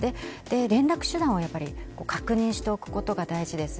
連絡手段を確認しておくことは大事です。